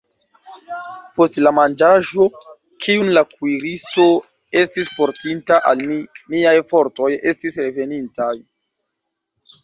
Post la manĝaĵo, kiun la kuiristo estis portinta al mi, miaj fortoj estis revenintaj.